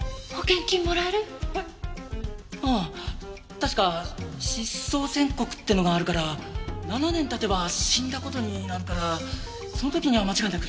確か失踪宣告ってのがあるから７年経てば死んだ事になるからその時には間違いなく。